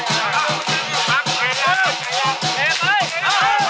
ถ้าเอาไปที่ไหน